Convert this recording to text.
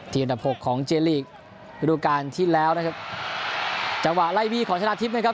อันดับหกของเจลีกระดูกาลที่แล้วนะครับจังหวะไล่บี้ของชนะทิพย์นะครับ